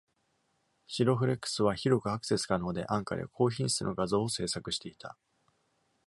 Ciro-flex は、広くアクセス可能で安価で、、高品質の画像を制作していた。